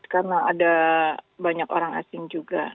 karena ada banyak orang asing juga